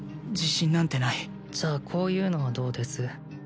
自信なんてないじゃあこういうのはどうです？